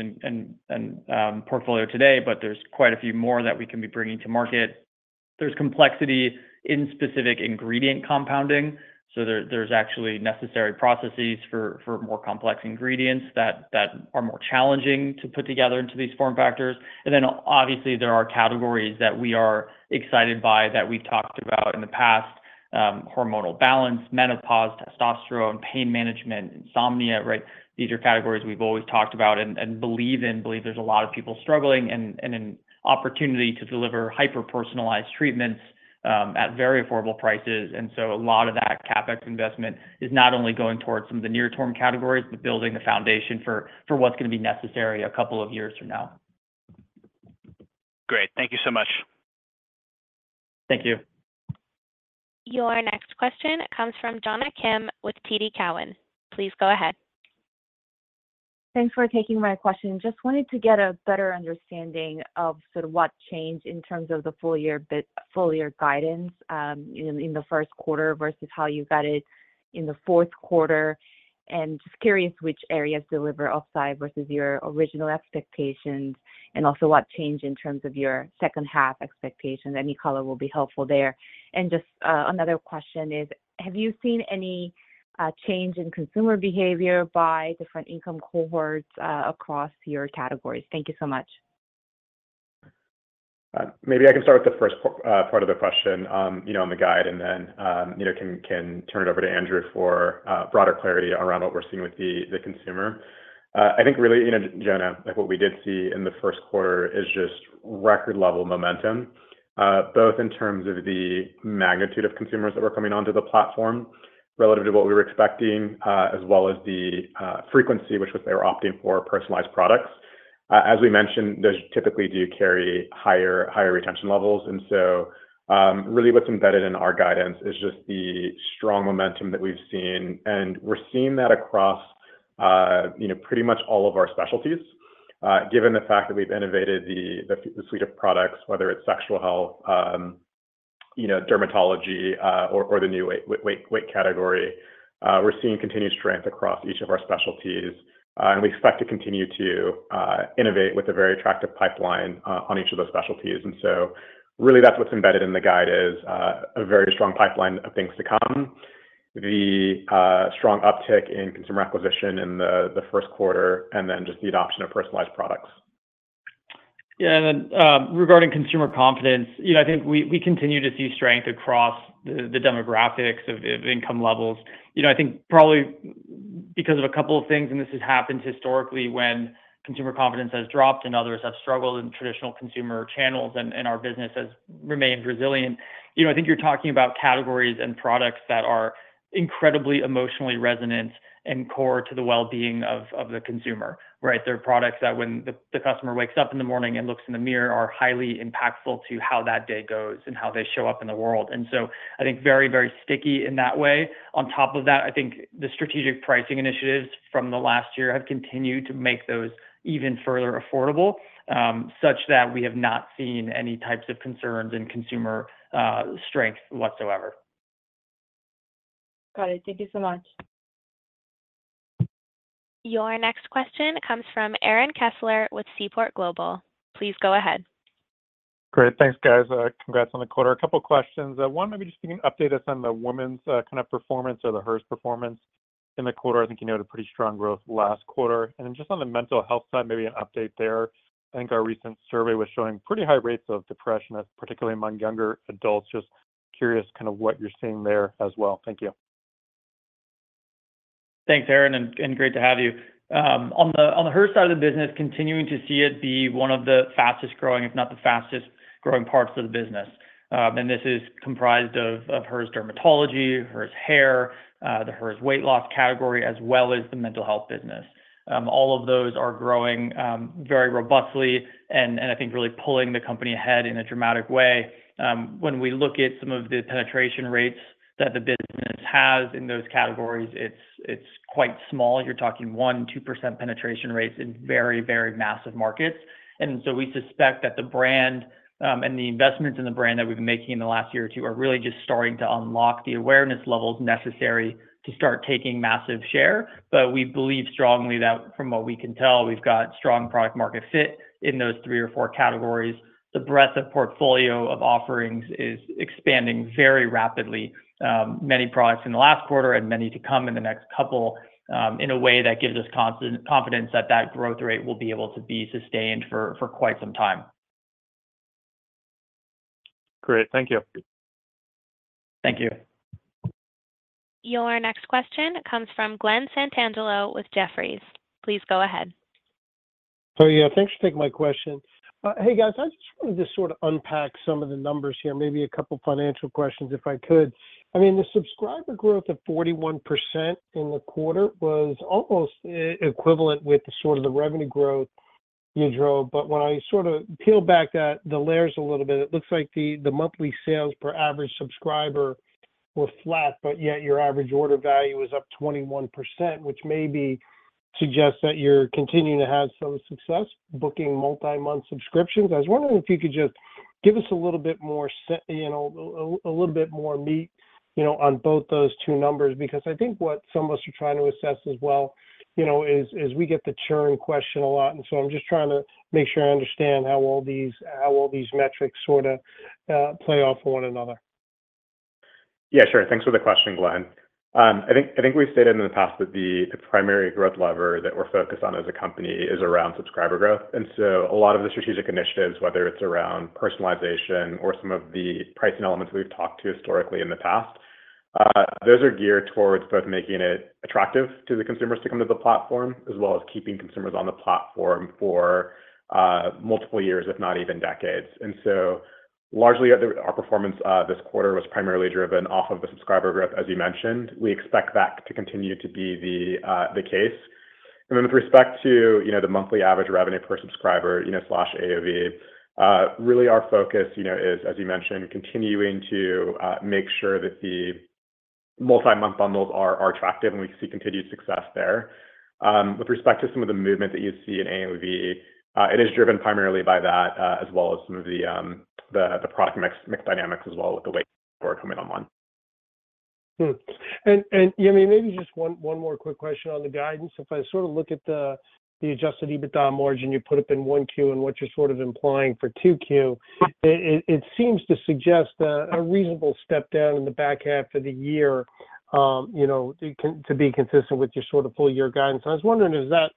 and portfolio today, but there's quite a few more that we can be bringing to market. There's complexity in specific ingredient compounding, so there's actually necessary processes for more complex ingredients that are more challenging to put together into these form factors. And then obviously, there are categories that we are excited by that we've talked about in the past, hormonal balance, menopause, testosterone, pain management, insomnia, right? These are categories we've always talked about and believe in. Believe there's a lot of people struggling and an opportunity to deliver hyper-personalized treatments at very affordable prices. And so a lot of that CapEx investment is not only going towards some of the near-term categories, but building the foundation for what's going to be necessary a couple of years from now. Great. Thank you so much. Thank you. Your next question comes from Jonna Kim with TD Cowen. Please go ahead. Thanks for taking my question. Just wanted to get a better understanding of sort of what changed in terms of the full year guidance in the first quarter versus how you guided in the fourth quarter. And just curious which areas deliver outside versus your original expectations, and also what changed in terms of your second half expectations. Any color will be helpful there. And just another question is, have you seen any change in consumer behavior by different income cohorts across your categories? Thank you so much. Maybe I can start with the first part of the question, you know, on the guide, and then, you know, can turn it over to Andrew for broader clarity around what we're seeing with the consumer. I think really, you know, Jonna, like, what we did see in the first quarter is just record level momentum, both in terms of the magnitude of consumers that were coming onto the platform relative to what we were expecting, as well as the frequency, which was they were opting for personalized products. As we mentioned, those typically do carry higher retention levels. And so, really what's embedded in our guidance is just the strong momentum that we've seen, and we're seeing that across, you know, pretty much all of our specialties. Given the fact that we've innovated the suite of products, whether it's sexual health, you know, dermatology, or the new weight category, we're seeing continued strength across each of our specialties. And we expect to continue to innovate with a very attractive pipeline on each of those specialties. And so really, that's what's embedded in the guide, is a very strong pipeline of things to come, the strong uptick in consumer acquisition in the Q1, and then just the adoption of personalized products. ... Yeah, and then, regarding consumer confidence, you know, I think we continue to see strength across the demographics of income levels. You know, I think probably because of a couple of things, and this has happened historically when consumer confidence has dropped and others have struggled in traditional consumer channels, and our business has remained resilient. You know, I think you're talking about categories and products that are incredibly emotionally resonant and core to the well-being of the consumer, right? They're products that when the customer wakes up in the morning and looks in the mirror, are highly impactful to how that day goes and how they show up in the world. And so I think very, very sticky in that way. On top of that, I think the strategic pricing initiatives from the last year have continued to make those even further affordable, such that we have not seen any types of concerns in consumer strength whatsoever. Got it. Thank you so much. Your next question comes from Aaron Kessler with Seaport Global. Please go ahead. Great. Thanks, guys. Congrats on the quarter. A couple questions. One, maybe just if you can update us on the women's kind of performance or the Hers performance in the quarter. I think you noted pretty strong growth last quarter. Then just on the mental health side, maybe an update there. I think our recent survey was showing pretty high rates of depression, particularly among younger adults. Just curious kind of what you're seeing there as well. Thank you. Thanks, Aaron, and great to have you. On the Hers side of the business, continuing to see it be one of the fastest growing, if not the fastest growing, parts of the business. And this is comprised of Hers dermatology, Hers hair, the Hers weight loss category, as well as the mental health business. All of those are growing very robustly, and I think really pulling the company ahead in a dramatic way. When we look at some of the penetration rates that the business has in those categories, it's quite small. You're talking 1%-2% penetration rates in very, very massive markets. So we suspect that the brand, and the investments in the brand that we've been making in the last year or two are really just starting to unlock the awareness levels necessary to start taking massive share. But we believe strongly that from what we can tell, we've got strong product market fit in those three or four categories. The breadth of portfolio of offerings is expanding very rapidly, many products in the last quarter and many to come in the next couple, in a way that gives us confidence that that growth rate will be able to be sustained for quite some time. Great. Thank you. Thank you. Your next question comes from Glen Santangelo with Jefferies. Please go ahead. Oh, yeah. Thanks for taking my question. Hey, guys, I just wanted to sort of unpack some of the numbers here, maybe a couple financial questions, if I could. I mean, the subscriber growth of 41% in the quarter was almost equivalent with the sort of the revenue growth you drove. But when I sorta peel back the layers a little bit, it looks like the monthly sales per average subscriber were flat, but yet your average order value is up 21%, which maybe suggests that you're continuing to have some success booking multi-month subscriptions. I was wondering if you could just give us a little bit more—you know—a little bit more meat, you know, on both those two numbers, because I think what some of us are trying to assess as well, you know, is we get the churn question a lot. And so I'm just trying to make sure I understand how all these, how all these metrics sorta play off of one another. Yeah, sure. Thanks for the question, Glen. I think, I think we've stated in the past that the primary growth lever that we're focused on as a company is around subscriber growth. And so a lot of the strategic initiatives, whether it's around personalization or some of the pricing elements we've talked to historically in the past, those are geared towards both making it attractive to the consumers to come to the platform, as well as keeping consumers on the platform for multiple years, if not even decades. And so largely, our performance this quarter was primarily driven off of the subscriber growth, as you mentioned. We expect that to continue to be the case. And then with respect to, you know, the monthly average revenue per subscriber, you know, slash AOV, really our focus, you know, is, as you mentioned, continuing to make sure that the multi-month bundles are attractive, and we see continued success there. With respect to some of the movement that you see in AOV, it is driven primarily by that, as well as some of the product mix dynamics as well, with Wegovy coming online. Yeah, maybe just one more quick question on the guidance. If I sort of look at the adjusted EBITDA margin you put up in 1Q and what you're sort of implying for 2Q, it seems to suggest a reasonable step down in the back half of the year, you know, to be consistent with your sort of full year guidance. I was wondering, is that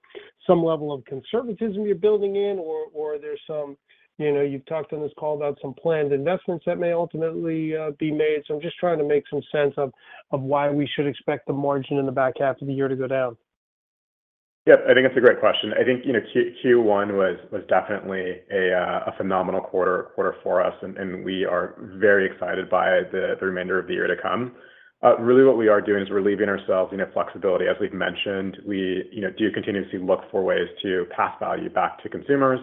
some level of conservatism you're building in, or there's some you know, you've talked on this call about some planned investments that may ultimately be made. So I'm just trying to make some sense of why we should expect the margin in the back half of the year to go down. Yep, I think that's a great question. I think, you know, Q, Q1 was, was definitely a, a phenomenal quarter, quarter for us, and, and we are very excited by the, the remainder of the year to come. Really what we are doing is we're leaving ourselves, you know, flexibility. As we've mentioned, we, you know, do continuously look for ways to pass value back to consumers,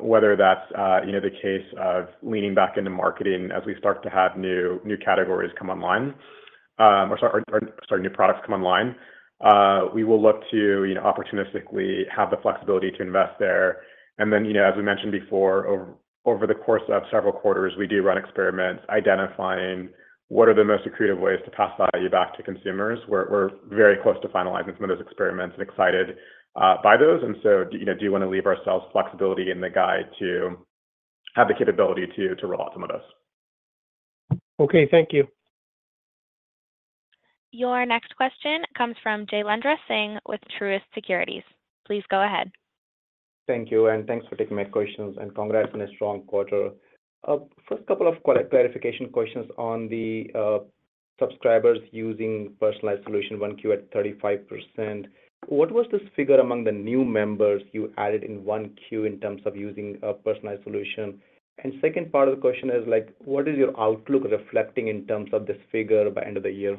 whether that's, you know, the case of leaning back into marketing as we start to have new, new categories come online, or sorry, sorry, new products come online. We will look to, you know, opportunistically have the flexibility to invest there. And then, you know, as we mentioned before, over, over the course of several quarters, we do run experiments identifying what are the most accretive ways to pass value back to consumers. We're very close to finalizing some of those experiments and excited by those. And so, you know, do want to leave ourselves flexibility in the guide to have the capability to roll out some of those. Okay. Thank you.... Your next question comes from Jailendra Singh with Truist Securities. Please go ahead. Thank you, and thanks for taking my questions, and congrats on a strong quarter. First couple of clarification questions on the subscribers using personalized solution, 1Q at 35%. What was this figure among the new members you added in 1Q in terms of using a personalized solution? And second part of the question is, like, what is your outlook reflecting in terms of this figure by end of the year?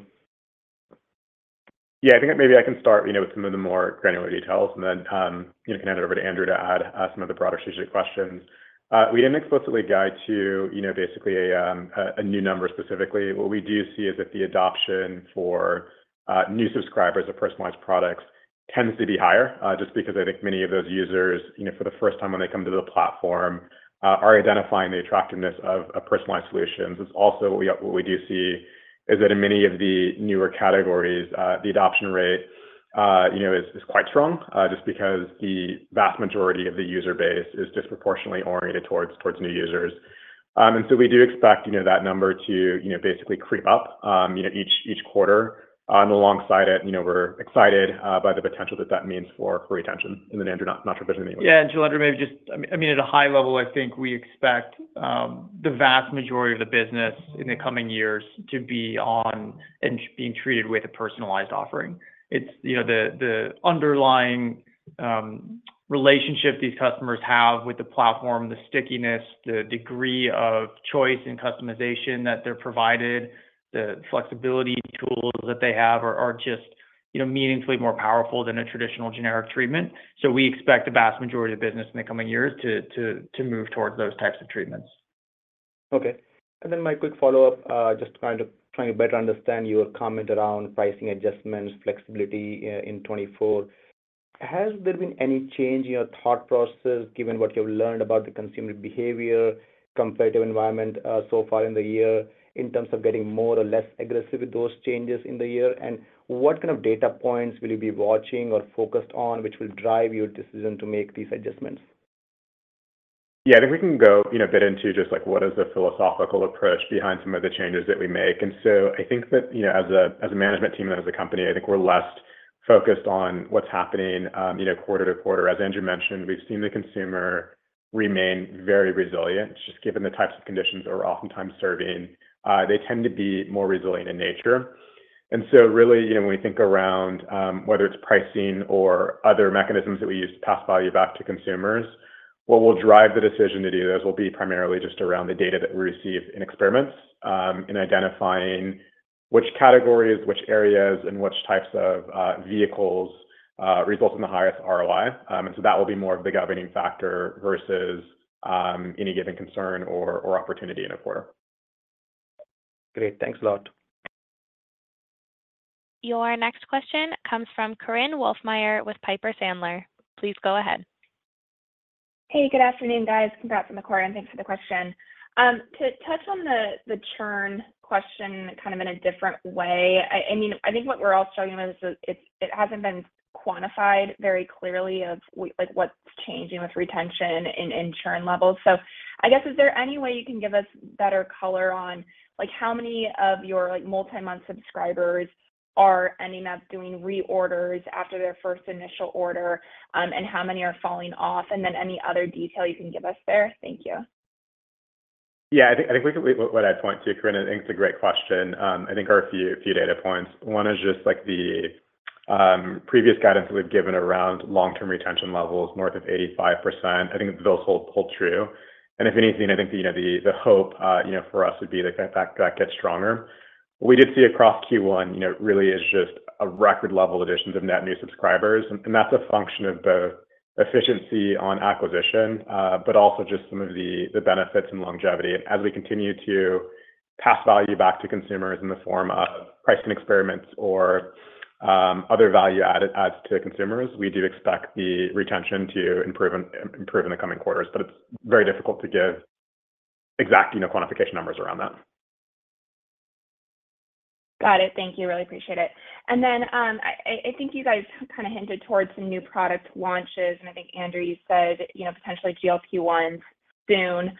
Yeah, I think maybe I can start, you know, with some of the more granular details and then, you know, can hand it over to Andrew to add some of the broader strategic questions. We didn't explicitly guide to, you know, basically a new number specifically. What we do see is that the adoption for new subscribers of personalized products tends to be higher, just because I think many of those users, you know, for the first time when they come to the platform, are identifying the attractiveness of a personalized solutions. It's also what we do see is that in many of the newer categories, the adoption rate, you know, is quite strong, just because the vast majority of the user base is disproportionately oriented towards new users. And so we do expect, you know, that number to, you know, basically creep up, you know, each quarter. And alongside it, you know, we're excited by the potential that that means for retention in the Android, not Mitsubishi anyway. Yeah, and Jailendra, maybe just... I mean, at a high level, I think we expect the vast majority of the business in the coming years to be on and being treated with a personalized offering. It's, you know, the underlying relationship these customers have with the platform, the stickiness, the degree of choice and customization that they're provided, the flexibility tools that they have are just, you know, meaningfully more powerful than a traditional generic treatment. So we expect the vast majority of business in the coming years to move towards those types of treatments. Okay. And then my quick follow-up, just trying to better understand your comment around pricing adjustments, flexibility, in 2024. Has there been any change in your thought process, given what you've learned about the consumer behavior, competitive environment, so far in the year, in terms of getting more or less aggressive with those changes in the year? And what kind of data points will you be watching or focused on, which will drive your decision to make these adjustments? Yeah, I think we can go, you know, a bit into just like what is the philosophical approach behind some of the changes that we make. And so I think that, you know, as a, as a management team and as a company, I think we're less focused on what's happening, you know, quarter-to-quarter. As Andrew mentioned, we've seen the consumer remain very resilient, just given the types of conditions that we're oftentimes serving. They tend to be more resilient in nature. And so really, you know, when we think around, whether it's pricing or other mechanisms that we use to pass value back to consumers, what will drive the decision to do this will be primarily just around the data that we receive in experiments, in identifying which categories, which areas, and which types of vehicles result in the highest ROI. And so that will be more of the governing factor versus any given concern or opportunity in a quarter. Great. Thanks a lot. Your next question comes from Korinne Wolfmeyer with Piper Sandler. Please go ahead. Hey, good afternoon, guys. Congrats on the quarter, and thanks for the question. To touch on the churn question kind of in a different way, I mean, I think what we're all struggling with is it hasn't been quantified very clearly of like what's changing with retention and churn levels. So I guess, is there any way you can give us better color on like how many of your like multi-month subscribers are ending up doing reorders after their first initial order, and how many are falling off? And then any other detail you can give us there. Thank you. Yeah, I think what I'd point to, Korinne, I think it's a great question. I think there are a few data points. One is just, like, the previous guidance we've given around long-term retention levels, north of 85%. I think those hold true. And if anything, I think, you know, the hope for us would be that that gets stronger. We did see across Q1, you know, really is just a record level additions of net new subscribers, and that's a function of both efficiency on acquisition, but also just some of the benefits and longevity. As we continue to pass value back to consumers in the form of pricing experiments or, other value added adds to consumers, we do expect the retention to improve in the coming quarters, but it's very difficult to give exact, you know, quantification numbers around that. Got it. Thank you. Really appreciate it. And then, I think you guys kind of hinted towards some new product launches, and I think, Andrew, you said, you know, potentially GLP-1 soon.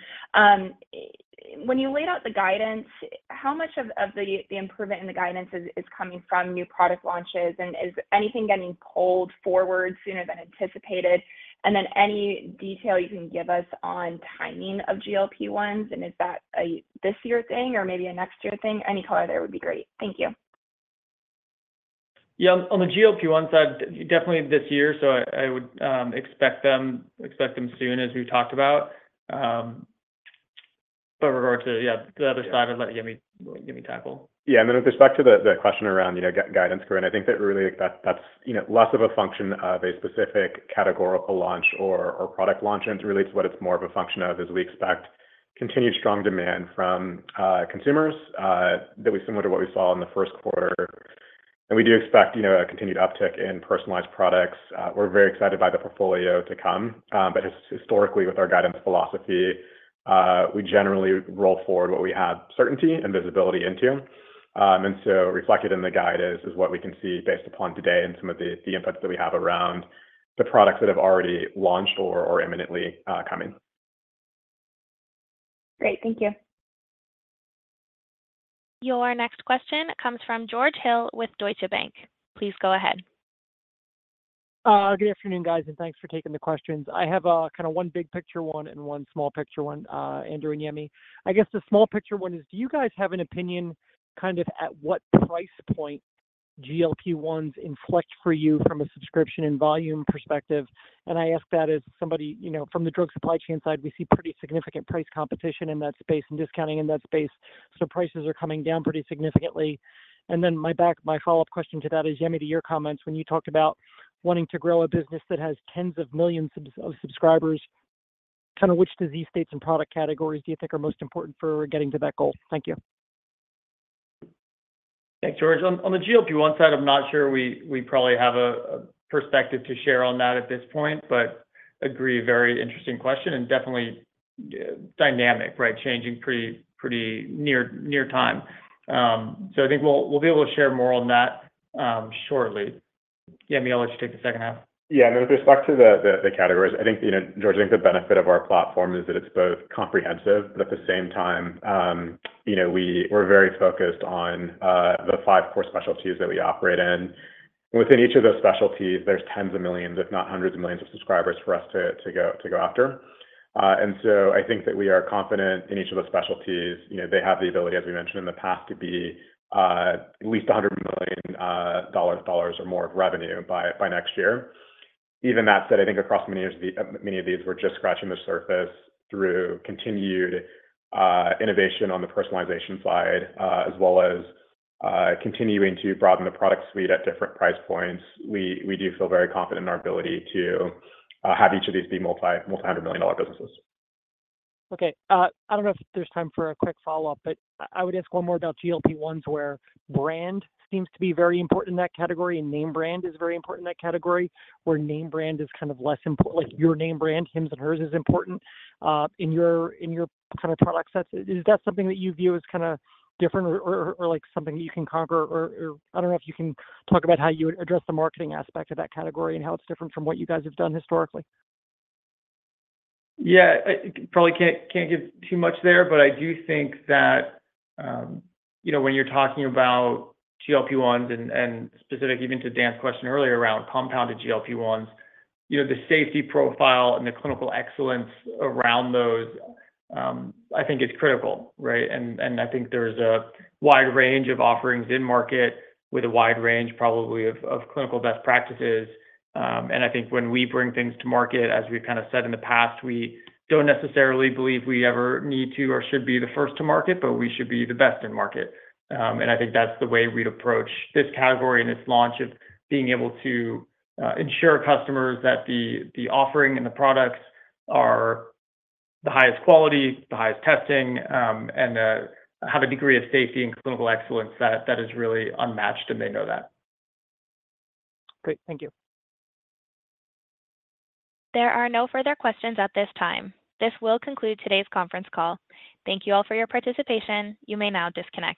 When you laid out the guidance, how much of the improvement in the guidance is coming from new product launches? And is anything getting pulled forward sooner than anticipated? And then any detail you can give us on timing of GLP-1, and is that a this year thing or maybe a next year thing? Any color there would be great. Thank you. Yeah, on the GLP-1 side, definitely this year, so I would expect them soon, as we talked about. But with regard to the other side, yeah, I'd let Yemi tackle. Yeah, and then with respect to the question around, you know, guidance, Korinne, I think that really, that's, you know, less of a function of a specific categorical launch or product launch. And really, what it's more of a function of is we expect continued strong demand from consumers that was similar to what we saw in the first quarter. And we do expect, you know, a continued uptick in personalized products. We're very excited by the portfolio to come, but historically, with our guidance philosophy, we generally roll forward what we have certainty and visibility into. And so reflected in the guidance is what we can see based upon today and some of the inputs that we have around the products that have already launched or imminently coming.... Great. Thank you. Your next question comes from George Hill with Deutsche Bank. Please go ahead. Good afternoon, guys, and thanks for taking the questions. I have kind of one big picture one and one small picture one, Andrew and Yemi. I guess the small picture one is, do you guys have an opinion, kind of at what price point GLP-1 inflect for you from a subscription and volume perspective? And I ask that as somebody, you know, from the drug supply chain side, we see pretty significant price competition in that space and discounting in that space, so prices are coming down pretty significantly. And then my follow-up question to that is, Yemi, to your comments, when you talked about wanting to grow a business that has tens of millions of subscribers, kind of which disease states and product categories do you think are most important for getting to that goal? Thank you. Thanks, George. On the GLP-1 side, I'm not sure we probably have a perspective to share on that at this point, but agree, very interesting question and definitely dynamic, right? Changing pretty near time. So I think we'll be able to share more on that shortly. Yemi, I'll let you take the H2. Yeah, and with respect to the categories, I think, you know, George, I think the benefit of our platform is that it's both comprehensive, but at the same time, you know, we're very focused on the five core specialties that we operate in. Within each of those specialties, there's tens of millions, if not hundreds of millions, of subscribers for us to go after. And so I think that we are confident in each of the specialties. You know, they have the ability, as we mentioned in the past, to be at least $100 million or more of revenue by next year. Even that said, I think across many years, many of these, we're just scratching the surface through continued innovation on the personalization side, as well as continuing to broaden the product suite at different price points. We, we do feel very confident in our ability to have each of these be multi-hundred $million businesses. Okay, I don't know if there's time for a quick follow-up, but I would ask one more about GLP-1, where brand seems to be very important in that category, and name brand is very important in that category, where name brand is kind of less important. Like, your name brand, Hims and Hers, is important, in your, in your kind of product sets. Is that something that you view as kind of different or, or, or like something that you can conquer? Or, or I don't know if you can talk about how you would address the marketing aspect of that category and how it's different from what you guys have done historically. Yeah, I probably can't, can't give too much there, but I do think that, you know, when you're talking about GLP-1 and, and specific, even to Dan's question earlier around compounded GLP-1, you know, the safety profile and the clinical excellence around those, I think is critical, right? And, and I think there's a wide range of offerings in market with a wide range, probably, of, of clinical best practices. And I think when we bring things to market, as we've kind of said in the past, we don't necessarily believe we ever need to or should be the first to market, but we should be the best in market. And I think that's the way we'd approach this category and this launch, of being able to ensure customers that the, the offering and the products are the highest quality, the highest testing, and have a degree of safety and clinical excellence that, that is really unmatched, and they know that. Great. Thank you. There are no further questions at this time. This will conclude today's conference call. Thank you all for your participation. You may now disconnect.